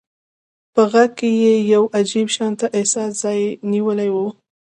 په غږ کې يې يو عجيب شانته احساس ځای نيولی و.